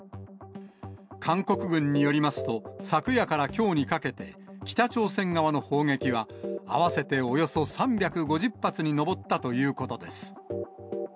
韓国軍によりますと、昨夜からきょうにかけて、北朝鮮側の砲撃は合わせておよそ３５０発に上ったということです。